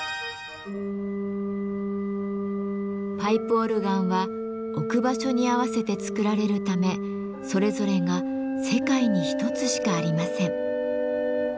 パイプオルガンは置く場所に合わせて作られるためそれぞれが世界に一つしかありません。